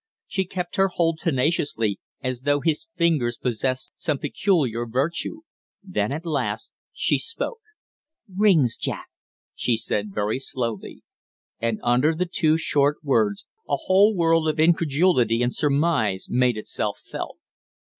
She kept her hold tenaciously, as though his fingers possessed some peculiar virtue; then at last she spoke. "Rings, Jack?" she said, very slowly. And under the two short words a whole world of incredulity and surmise made itself felt.